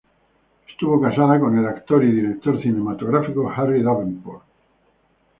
Estuvo casada con el actor y director cinematográfico Harry Davenport.